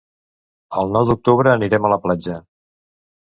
El nou d'octubre anirem a la platja.